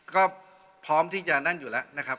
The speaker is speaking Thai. ก็พร้อมที่จะนั่นอยู่แล้วนะครับ